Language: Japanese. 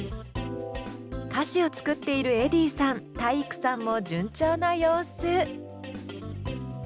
歌詞を作っているｅｄｈｉｉｉさん体育さんも順調な様子。